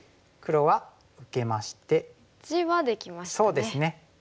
そうですね。